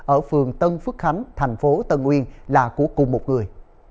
ở phường tân phước khánh thành phố tân nguyên là của cùng một người